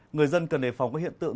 người dân cần đề phòng các hiện tượng